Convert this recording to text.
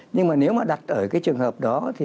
nhưng mà nếu mà đặt ở cái trường hợp đó thì